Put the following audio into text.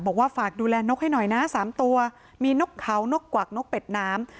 บอกว่าฝากดูแลนกให้หน่อยนะ๓ตัวมีนกเขานกกวักนกเป็ดน้ำ